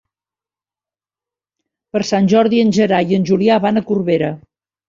Per Sant Jordi en Gerai i en Julià van a Corbera.